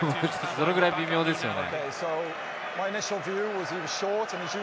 それくらい微妙ですよね。